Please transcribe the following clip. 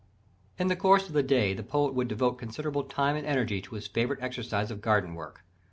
_ In the course of the day the poet would devote considerable time and energy to his favourite exercise of garden work.